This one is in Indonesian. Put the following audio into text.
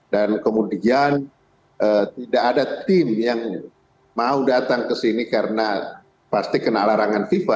dan kemudian tidak ada tim yang mau datang kesini karena pasti kena larangan fifa